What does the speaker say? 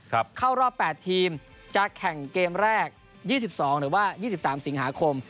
เข้ารอบ๘ทีมจะแข่งเกมแรก๒๒หรือว่า๒๓สิงหาคม